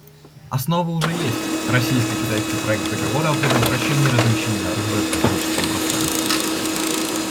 Основа уже есть — российско-китайский проект договора о предотвращении размещения оружия в космическом пространстве.